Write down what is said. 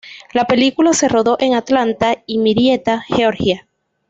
La película se rodó en Atlanta y Marietta, Georgia.